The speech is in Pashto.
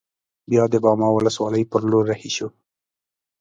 بیا د باما ولسوالۍ پر لور رهي شوو.